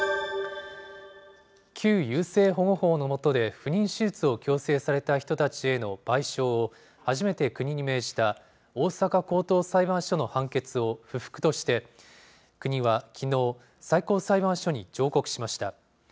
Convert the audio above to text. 旧優生保護法の下で不妊手術を強制された人たちへの賠償を、初めて国に命じた大阪高等裁判所の判決を不服として、国はきのう、最高裁判所に上告しました。